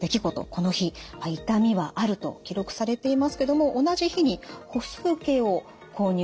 この日「痛みはある」と記録されていますけども同じ日に歩数計を購入しています。